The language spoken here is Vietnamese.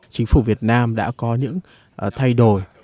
chính phủ việt nam đã có những thay đổi